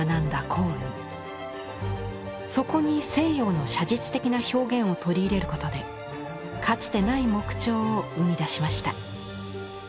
そこに西洋の写実的な表現を取り入れることでかつてない木彫を生み出しました。